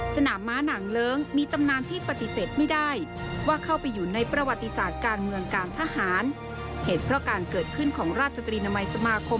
สนามม้าหนังเลิ้งมีตำนานที่ปฏิเสธไม่ได้ว่าเข้าไปอยู่ในประวัติศาสตร์การเมืองการทหารเหตุเพราะการเกิดขึ้นของราชตรีนามัยสมาคม